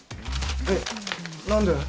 えっ？何で？